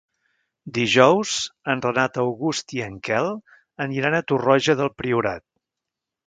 Dijous en Renat August i en Quel aniran a Torroja del Priorat.